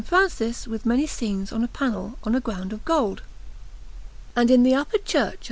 Francis with many scenes on a panel, on a ground of gold. And in the upper Church of S.